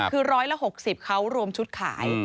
คือร้อยละ๖๐เขารวมชุดขาย